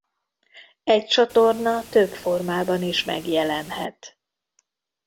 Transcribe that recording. Egy csatorna több formában is megjelenhet.